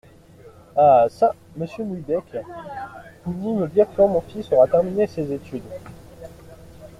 Ah çà ! monsieur Mouillebec, pouvez-vous me dire quand mon fils aura terminé ses études ?